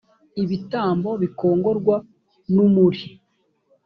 ibitambo bikongorwa n umuri